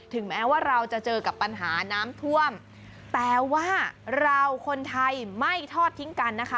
แม้ว่าเราจะเจอกับปัญหาน้ำท่วมแต่ว่าเราคนไทยไม่ทอดทิ้งกันนะคะ